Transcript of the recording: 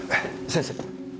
先生！